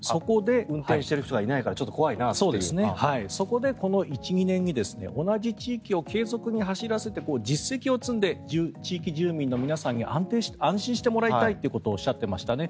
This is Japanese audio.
運転している人がいないからそこでこの１２年に同じ地域を継続に走らせて実績を積んで地域住民の皆さんに安心してもらいたいということをおっしゃっていましたね。